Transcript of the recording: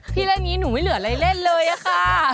ที่เล่นนี้หนูไม่เหลืออะไรเล่นเลยอะค่ะ